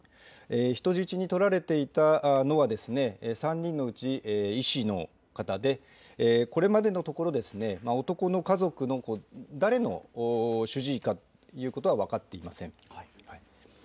人質に取られていたのは３人のうち医師の方で、これまでのところ、男の家族の、誰の主治医かということは分かっていません。